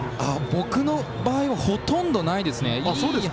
僕の場合はほとんどないですね。